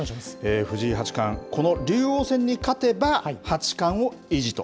藤井八冠、この竜王戦に勝てば、八冠を維持と。